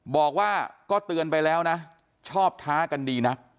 บอกว่าก็เตือนไปแล้วนะชอบท้ากันดีนัก